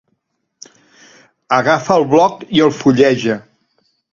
Agafa el bloc i el fulleja.